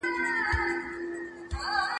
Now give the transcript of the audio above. نې مني جاهل افغان ګوره چي لا څه کیږي.